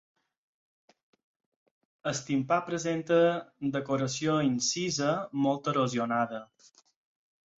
El timpà presenta decoració incisa molt erosionada.